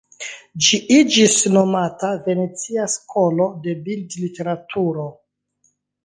Ĝi iĝis nomata "venecia skolo de bildliteraturo".